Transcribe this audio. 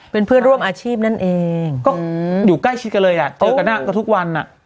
เป็นเพื่อนร่วมอาชีพนั่นเองก็อยู่ใกล้ชิดกันเลยอ่ะเจอกันทุกวันอ่ะ